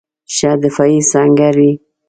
ښه دفاعي سنګر وي.